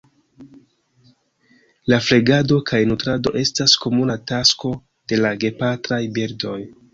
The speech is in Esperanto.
La flegado kaj nutrado estas komuna tasko de la gepatraj birdoj.